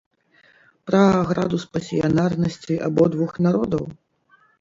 Пра градус пасіянарнасці абодвух народаў?